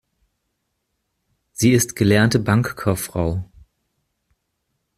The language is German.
Sie ist gelernte Bankkauffrau.